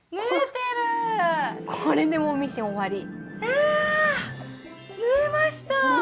あ縫えました！